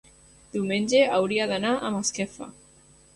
diumenge hauria d'anar a Masquefa.